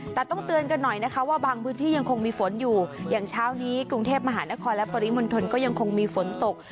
แต่ต้องเตือนกันหน่อยนะคะว่าบางพื้นที่ยังคงมีฝนอยู่อย่างเช้านี้กรุงเทพมหานครและปริมณฑลก็ยังคงมีฝนตก